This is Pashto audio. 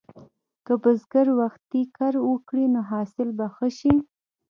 که بزګر وختي کر وکړي، نو حاصل به ښه شي.